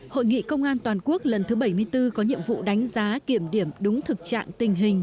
hội nghị công an toàn quốc lần thứ bảy mươi bốn có nhiệm vụ đánh giá kiểm điểm đúng thực trạng tình hình